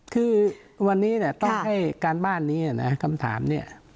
คือวันนี้เนี่ยต้องให้การบ้านนี้เนี่ยนะกำถามเนี่ย